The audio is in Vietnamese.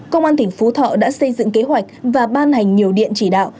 công an tỉnh phú thọ đã xây dựng kế hoạch và ban hành nhiều điện chỉ đạo